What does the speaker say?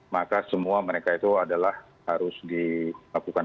maka semua mereka itu adalah harus dilakukan